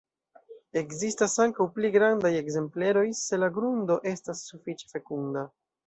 Ekzistas ankaŭ pli grandaj ekzempleroj, se la grundo estas sufiĉe fekunda.